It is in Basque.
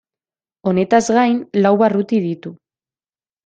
Honetaz gain lau barruti ditu.